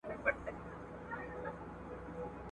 انګرېزان به له بیري تښتېدلي وي.